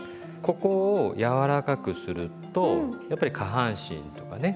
ここをやわらかくするとやっぱり下半身とかね